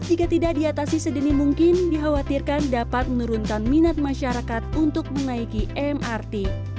jika tidak diatasi sedini mungkin dikhawatirkan dapat menurunkan minat masyarakat untuk menaiki mrt